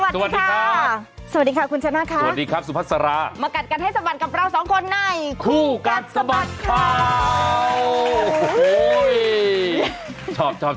สวัสดีครับสวัสดีครับคุณชนะคะสวัสดีครับสุภาษาลามากัดกันให้สบัดกับเราสองคนในคู่กัดสบัดข่าว